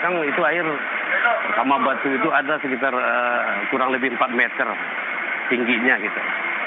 kan itu air pertama batu itu ada sekitar kurang lebih empat meter tingginya gitu